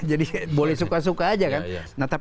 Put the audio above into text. jadi boleh suka suka saja kan